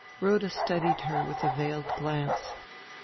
Rhoda studied her with a veiled glance.